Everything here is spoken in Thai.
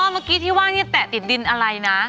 เมื่อกี้ที่ว่านี่แตะติดดินอะไรนะ